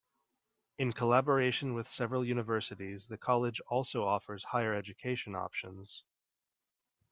In collaboration with several universities the college also offers Higher Education options.